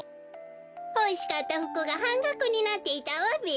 ほしかったふくがはんがくになっていたわべ。